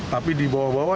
tapi di bawah bawah